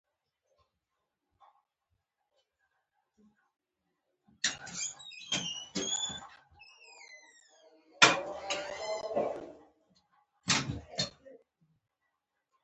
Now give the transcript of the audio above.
احمد خپلو دوښمنانو ته د سره په کاسه کې اوبه ورکړې.